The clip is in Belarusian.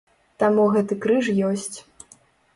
Таму гэты крыж ёсць.